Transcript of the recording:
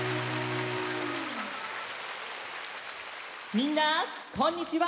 みんなこんにちは！